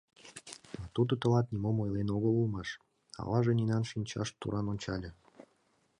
— А тудо тылат нимом ойлен огыл улмаш? — аваже Нинан шинчаш туран ончале.